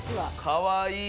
かわいい。